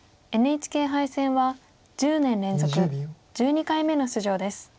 ＮＨＫ杯戦は１０年連続１２回目の出場です。